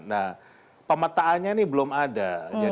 nah pemetaannya ini belum ada